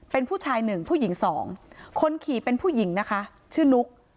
เป็นผู้ชายหนึ่งผู้หญิงสองคนขี่เป็นผู้หญิงนะคะชื่อนุ๊ก